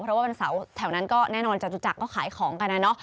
เพราะว่าสาวแถวนั้นก็แน่นอนจะจุดจักรก็ขายของกันน่ะ